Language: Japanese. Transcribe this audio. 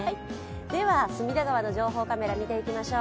では隅田川の情報カメラ見ていきましょう。